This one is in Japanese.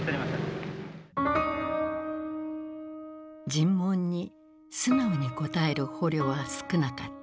尋問に素直に答える捕虜は少なかった。